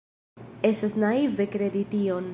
Estas naive kredi tion.